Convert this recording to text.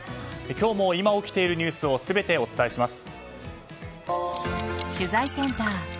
今日も今起きているニュースを全てお伝えします。